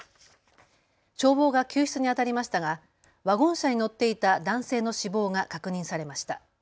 消防が救出にあたりましたがワゴン車に乗っていた男性の死亡が確認されました。